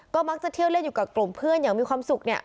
ก็มักจะเที่ยวเล่นอยู่กับกลุ่มเพื่อนอย่างมีความสุขเนี่ย